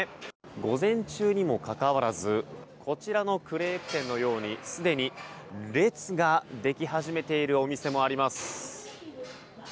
午前中にもかかわらずこちらのクレープ店のようにすでに列ができ始めているお店もあります。